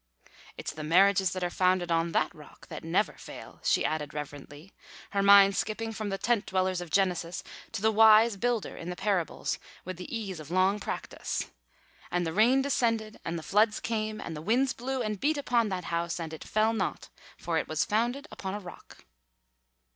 "It's the marriages that are founded on that rock that never fall," she added reverently, her mind skipping from the tent dwellers of Genesis to the wise builder in the parables with the ease of long practice. "'_And the rain descended, and the floods came, and the winds blew, and beat upon that house; and it fell not; for it was founded upon a rock.